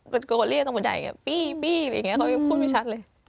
เป็นคนเรียกตรงบนใดอย่างเงี้ยปี้ปี้อะไรอย่างเงี้ยเขาก็พูดไม่ชัดเลย